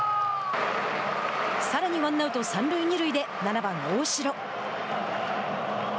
さらにワンアウト、三塁二塁で７番大城。